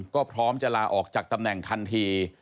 ก็พร้อมจะลาออกจากตำแหน่งทันที